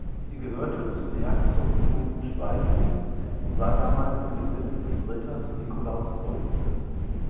Sie gehörte zum Herzogtum Schweidnitz und war damals im Besitz des Ritters Nikolaus Bolze.